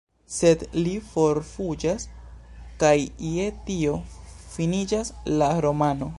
Sed li forfuĝas, kaj je tio finiĝas la romano.